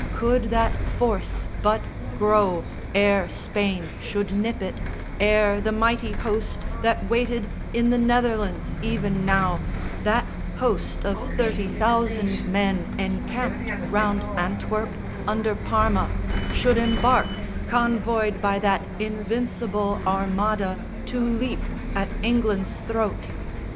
Could that force but grow Ere Spain should nip it, ere the mighty host That waited in the Netherlands even now, That host of thirty thousand men encamped Round Antwerp, under Parma, should embark Convoyed by that Invincible Armada To leap at England's throat!